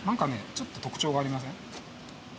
ちょっと特徴がありません？